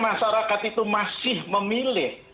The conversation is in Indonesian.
masyarakat itu masih memilih